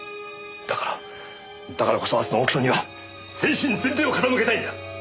だからだからこそ明日のオークションには全身全霊を傾けたいんだ！